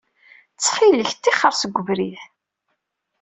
Ttxil-k, ttixer seg webrid.